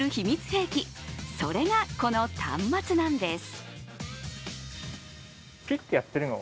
兵器それがこの端末なんです。